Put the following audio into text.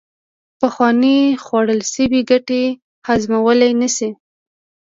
پخوانې خوړل شوې ګټې هضمولې نشي